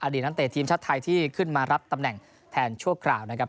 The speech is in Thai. นักเตะทีมชาติไทยที่ขึ้นมารับตำแหน่งแทนชั่วคราวนะครับ